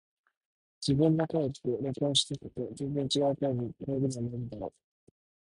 自分の声って、録音して聞くと全然違う声に聞こえるのはなぜだろう。